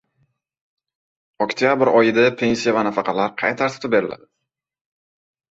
Oktyabr oyida pensiya va nafaqalar qay tartibda beriladi?